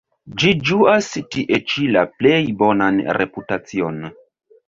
Ĝi ĝuas tie ĉi la plej bonan reputacion.